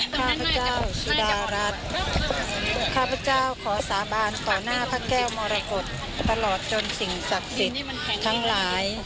ข้าพเจ้าสุดารัฐข้าพเจ้าขอสาบานต่อหน้าพระแก้วมรกฏตลอดจนสิ่งศักดิ์สิทธิ์ทั้งหลาย